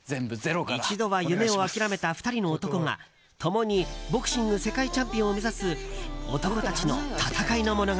一度は夢を諦めた２人の男が共にボクシング世界チャンピオンを目指す男たちの戦いの物語。